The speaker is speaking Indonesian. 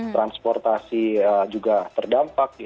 transportasi juga terdampak